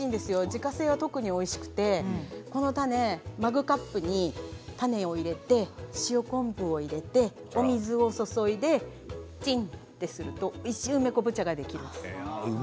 自家製は特においしくてマグカップに種を入れて塩昆布を入れてお水を注いでチンとするとおいしい昆布茶ができるんです。